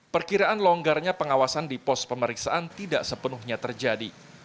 perkiraan longgarnya pengawasan di pos pemeriksaan tidak sepenuhnya terjadi